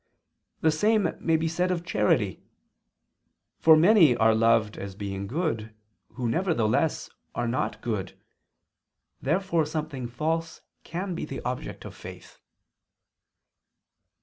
The same may be said of charity, for many are loved as being good, who, nevertheless, are not good. Therefore something false can be the object of faith.